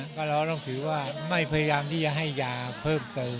ก็เราต้องถือว่าไม่พยายามที่จะให้ยาเพิ่มเติม